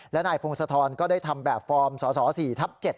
และนายพงศธรก็ได้ทำแบบฟอร์มสส๔ทับ๗